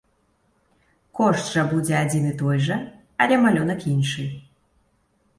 Кошт жа будзе адзін і той жа, але малюнак іншы.